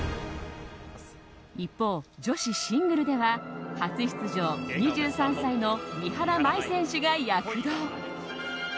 一方、女子シングルでは初出場、２３歳の三原舞依選手が躍動！